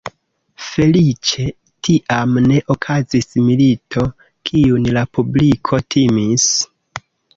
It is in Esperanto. Feliĉe tiam ne okazis milito, kiun la publiko timis.